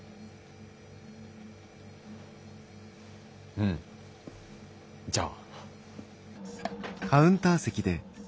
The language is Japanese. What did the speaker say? うんじゃあ。